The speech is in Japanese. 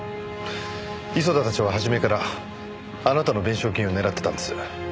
磯田たちは初めからあなたの弁償金を狙ってたんです。